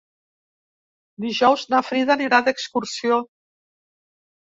Dijous na Frida anirà d'excursió.